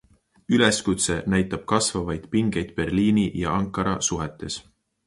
Üleskutse näitab kasvavaid pingeid Berliini ja Ankara suhetes.